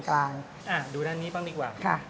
ดูด้านนี้บ้างดีกว่า